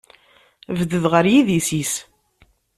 Bded ɣer yidis-is.